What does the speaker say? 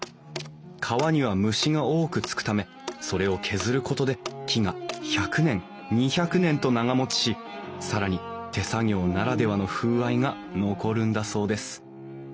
皮には虫が多くつくためそれを削ることで木が１００年２００年と長もちし更に手作業ならではの風合いが残るんだそうです